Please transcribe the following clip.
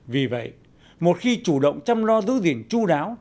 vì vậy một khi chủ động chăm lo giữ gìn chú đáo